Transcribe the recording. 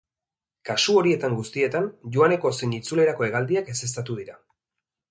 Kasu horietan guztietan, joaneko zein itzulerako hegaldiak ezeztatu dira.